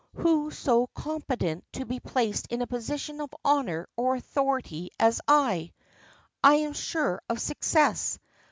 who so competent to be placed in position of honor or authority as I? I am sure of success.